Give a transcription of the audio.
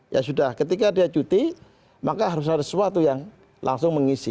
ya sudah ketika dia cuti maka harus ada sesuatu yang langsung mengisi